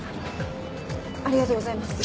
ありがとうございます。